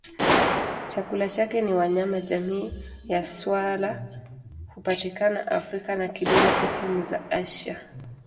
Chakula chake ni wanyama jamii ya swala hupatikana Afrika na kidogo sehemu za Asia.